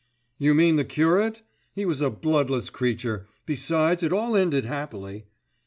"You mean the curate? He was a bloodless creature; besides it all ended happily."